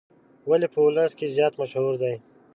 ولې په ولس کې زیات مشهور دی.